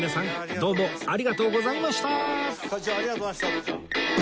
会長ありがとうございました。